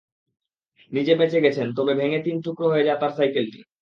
নিজে বেঁচে গেছেন, তবে ভেঙে তিন টুকরো হয়ে যায় তাঁর সাইকেলটি।